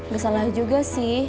gak salah juga sih